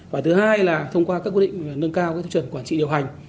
và thứ hai là thông qua các quy định nâng cao các thông trần quản trị điều hành